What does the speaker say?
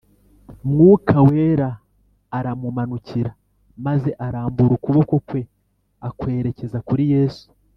. Mwuka Wera aramumanukira, maze arambura ukuboko kwe akwerekeza kuri Yesu